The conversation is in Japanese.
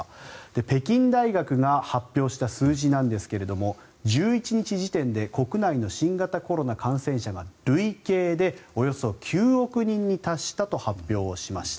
北京大学が発表した数字ですが１１日時点で国内の新型コロナ感染者が累計でおよそ９億人に達したと発表しました。